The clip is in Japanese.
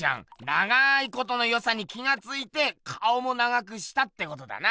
長いことのよさに気がついて顔も長くしたってことだな。